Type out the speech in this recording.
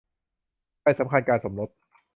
ใบสำคัญการสมรส